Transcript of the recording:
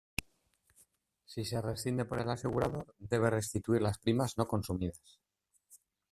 Si se rescinde por el asegurador debe restituir las primas no consumidas.